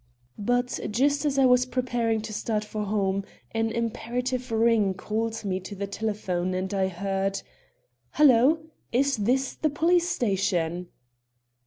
But just as I was preparing to start for home, an imperative ring called me to the telephone and I heard: "Halloo! Is this the police station?"